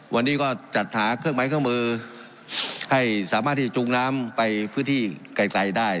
วันนี้ก็จัดหาเครื่องไม้เครื่องมือให้สามารถที่จะจูงน้ำไปพื้นที่ไกลได้